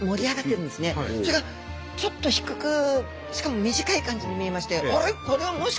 それがちょっと低くしかも短い感じに見えまして。